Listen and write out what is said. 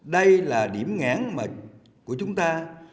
đây là điểm ngãn của chúng ta